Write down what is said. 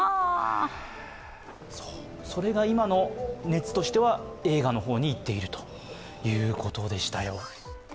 それが今の熱としては映画の方にいっているということでした。